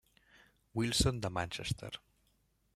Wilson de Manchester.